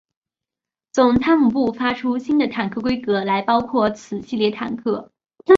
总参谋部发出新的坦克规格来包括此系列坦克。